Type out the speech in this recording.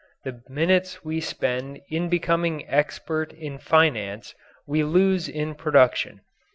The minutes we spend in becoming expert in finance we lose in production.